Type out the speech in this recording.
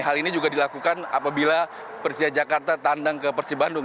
hal ini juga dilakukan apabila persija jakarta tandang ke persib bandung